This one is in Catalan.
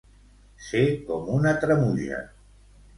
Ser com una tremuja.